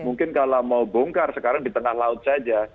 mungkin kalau mau bongkar sekarang di tengah laut saja